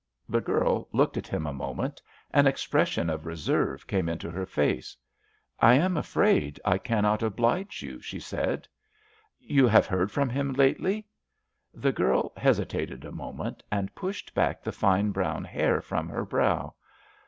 The girl looked at him a moment; an expression of reserve came into her face. "I am afraid I cannot oblige you," she said. "You have heard from him lately?" The girl hesitated a moment, and pushed back the fine brown hair from her brow.